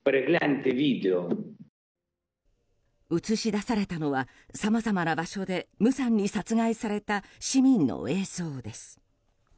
映し出されたのはさまざまな場所で無残に殺害された市民の映像です。